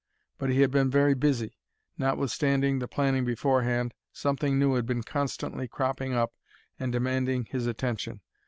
But he had been very busy. Notwithstanding the planning beforehand, something new had been constantly cropping up and demanding his attention.